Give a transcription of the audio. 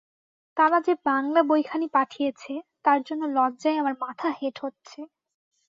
তারা যে বাঙলা বইখানি পাঠিয়েছে, তার জন্য লজ্জায় আমার মাথা হেঁট হচ্ছে।